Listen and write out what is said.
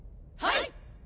はい！